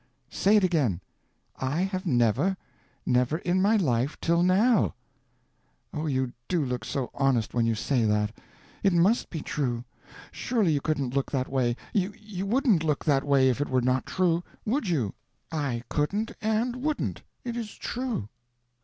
Say it again!" "I have never—never in my life till now." "Oh, you do look so honest when you say that! It must be true—surely you couldn't look that way, you wouldn't look that way if it were not true—would you?" "I couldn't and wouldn't. It is true.